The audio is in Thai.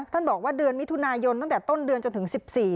ท่านบอกว่าเดือนมิถุนายนตั้งแต่ต้นเดือนจนถึง๑๔